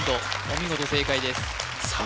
お見事正解ですさ